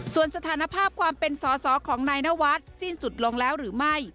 ส่วนสถานภาพความเป็นสอสอของนายนวัดสิ้นสุดลงแล้วหรือไม่